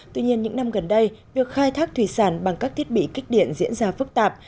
tuy nhiên những năm gần đây việc khai thác thủy sản bằng các thiết bị kích điện diễn ra phức tạp